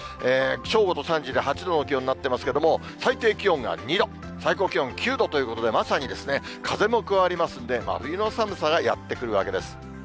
正午と３時で８度の気温になってますけども、最低気温が２度、最高気温９度ということで、まさに風も加わりますんで、真冬の寒さがやって来るわけです。